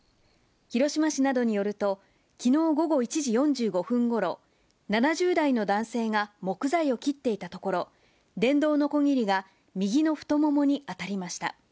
広島市などによるときのう午後１時４５分ごろ、７０代の男性が木材を切っていたところ、電動のこぎりが右の太ももに当たりました。